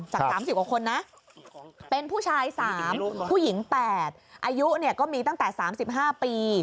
จาก๓๐กว่าคนนะเป็นผู้ชาย๓ผู้หญิง๘อายุก็มีตั้งแต่๓๕ปี